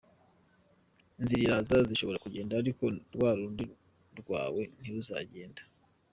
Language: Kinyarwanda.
Izindi ziraza, zishobora kugenda ariko rwa rundi rwawe ntiruzagenda.